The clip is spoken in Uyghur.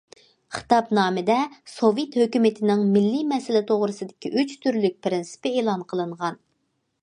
خىتابنامىدە سوۋېت ھۆكۈمىتىنىڭ مىللىي مەسىلە توغرىسىدىكى ئۈچ تۈرلۈك پىرىنسىپى ئېلان قىلىنغان.